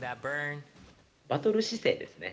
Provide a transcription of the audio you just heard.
バトル姿勢ですね。